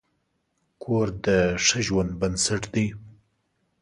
کور د ښه ژوند بنسټ دی.